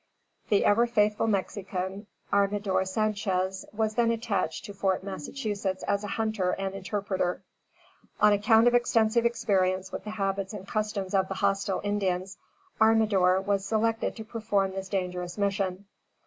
The ever faithful Mexican, Armador Sanchez, was then attached to Fort Massachusetts as a hunter and interpreter. On account of extensive experience with the habits and customs of the hostile Indians, Armador was selected to perform this dangerous mission.